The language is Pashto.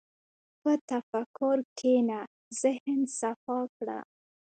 په تفکر کښېنه، ذهن صفا کړه.